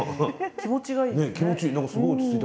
気持ちいい。